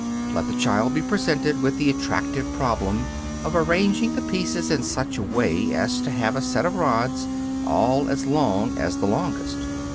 Let the child be presented with the attractive problem of arranging the pieces in such a way as to have a set of rods, all as long as the longest.